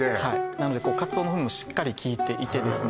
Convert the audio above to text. なのでカツオの風味もしっかりきいていてですね